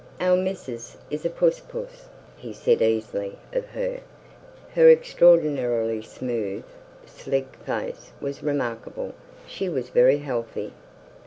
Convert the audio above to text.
"Our missis is a puss puss," he said easily, of her. Her extraordinarily smooth, sleek face was remarkable. She was very healthy.